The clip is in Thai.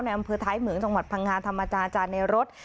ในอำเภอไทยเหมืองจังหวัดพังงานธรรมาจาจานในรถ